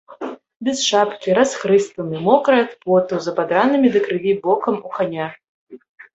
Без шапкі, расхрыстаны, мокры ад поту, з абадраным да крыві бокам у каня.